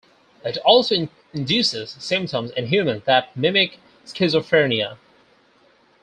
It also induces symptoms in humans that mimic schizophrenia.